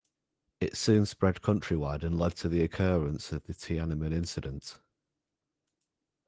It soon spread countrywide and led to the occurrence of the Tiananmen Incident.